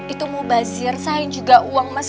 itu mau bazir sayang juga uang mas